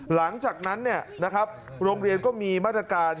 หลังจากนั้นโรงเรียนก็มีมาตรการ